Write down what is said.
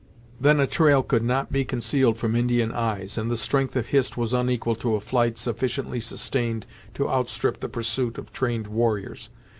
Then a trail could not be concealed from Indian eyes, and the strength of Hist was unequal to a flight sufficiently sustained to outstrip the pursuit of trained warriors.